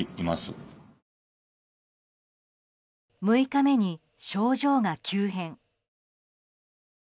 ６日目に症状が急変。